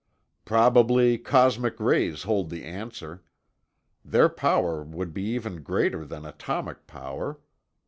"Probably cosmic rays hold the answer. Their power would be even greater than atomic power.